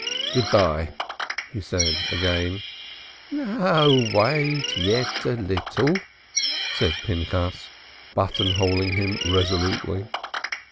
"Good bye," he said again. "No, wait, yet a little," said Pinchas, buttonholing him resolutely.